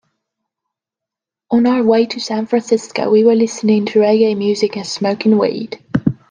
On our way to San Francisco, we were listening to reggae music and smoking weed.